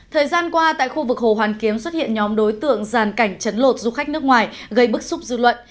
thời gian qua tại khu vực hồ hoàn kiếm xuất hiện nhóm đối tượng giàn cảnh chấn lột du khách nước ngoài gây bức xúc dư luận